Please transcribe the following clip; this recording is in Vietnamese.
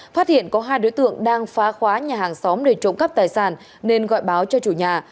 phát hiện có hai đối tượng đang phá khóa nhà hàng xóm để trộm cắp tài sản nên gọi báo cho chủ nhà